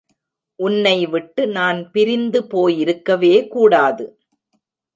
உன்னை விட்டு நான் பிரிந்து போயிருக்கவே கூடாது.